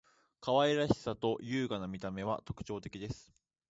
可愛らしさと優雅な見た目は特徴的です．